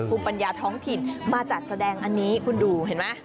ภูมิปัญญาท้องถิ่นมาจัดแสดงอันนี้คุณดูเห็นไหม